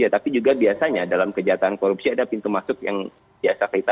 tapi juga biasanya dalam kejahatan korupsi ada pintu masuk yang biasa kita